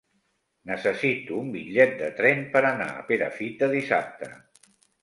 Necessito un bitllet de tren per anar a Perafita dissabte.